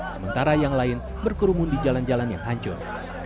sementara yang lain berkerumun di jalan jalan yang hancur